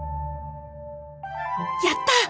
やった！